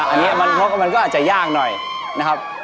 อันนี้มันพกมันก็อาจจะยากหน่อยนะครับ